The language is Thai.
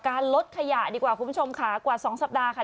ลดขยะดีกว่าคุณผู้ชมค่ะกว่า๒สัปดาห์ค่ะ